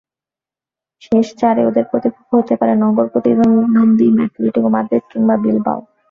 শেষ চারে ওদের প্রতিপক্ষ হতে পারে নগর প্রতিদ্বন্দ্বী অ্যাটলেটিকো মাদ্রিদ কিংবা বিলবাও।